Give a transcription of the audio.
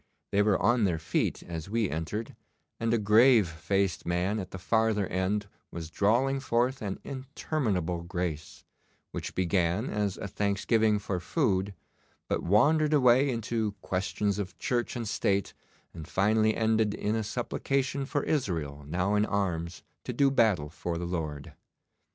They were on their feet as we entered, and a grave faced man at the farther end was drawling forth an interminable grace, which began as a thanksgiving for food, but wandered away into questions of Church and State, and finally ended in a supplication for Israel now in arms to do battle for the Lord.